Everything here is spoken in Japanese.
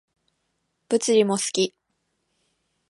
物理も好き